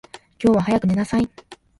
今日は早く寝なさい。